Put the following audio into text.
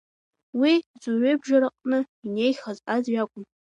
Уи, зуаҩыбжараҟны инеихьаз аӡә иакәын.